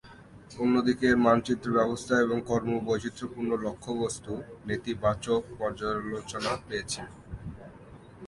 অন্যদিকে এর মানচিত্র ব্যবস্থা এবং কম বৈচিত্রপূর্ণ লক্ষ্যবস্তু নেতিবাচক পর্যালোচনা পেয়েছিল।